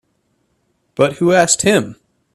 But who asked him?